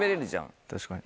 確かに。